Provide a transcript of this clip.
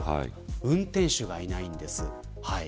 運転手がいないんです。